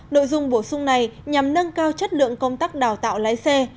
nội dung bổ sung này nhằm nâng cao chất lượng công tác đào tạo lái xe